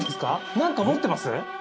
何か持ってます？